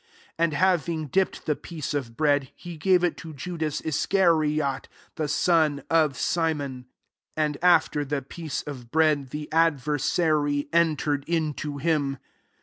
And having dipped the piece of bread, he gave it to Judas Iscariot, the eon of Simon. 27 And, after the piece of bread, the adversary entered into him.